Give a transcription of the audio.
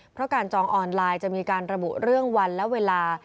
เพราะการจองออนไลน์จะมีการระบุเรื่องวันและเวลา